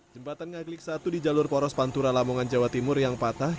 jembatan ngaglik satu di jalur poros pantura lamongan jawa timur yang patah